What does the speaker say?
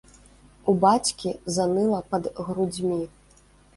У бацькі заныла пад грудзьмі.